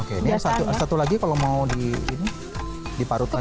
oke ini satu lagi kalau mau diparut lagi